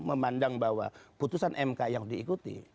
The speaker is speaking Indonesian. memandang bahwa putusan mk yang diikuti